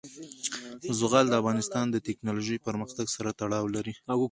زغال د افغانستان د تکنالوژۍ پرمختګ سره تړاو لري.